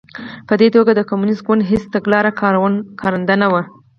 په دې توګه د کمونېست ګوند هېڅ تګلاره کارنده نه وه